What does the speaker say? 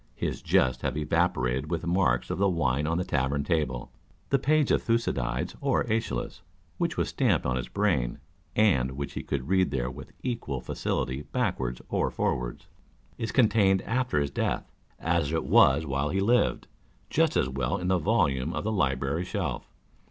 His jests have evaporated with the marks of the wine on the tavern table ; the page of Thucydides or TEschylus, which was stamped on his brain, and which he could read there with equal facility backwards or forwards, is contained after his death, as it was while he lived, just as well in the volume on the library shelf.